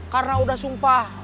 karena udah sumpah